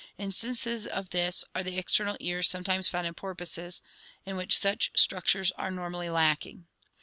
Instances of this are the external ears sometimes found in porpoises, in which such structures are normally lacking.